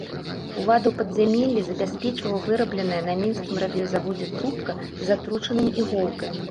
Улада ў падзямеллі забяспечвала вырабленая на мінскім радыёзаводзе трубка з атручанымі іголкамі.